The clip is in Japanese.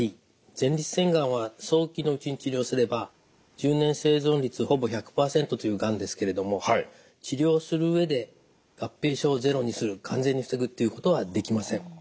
前立腺がんは早期のうちに治療すれば１０年生存率ほぼ１００％というがんですけれども治療する上で合併症をゼロにする完全に防ぐっていうことはできません。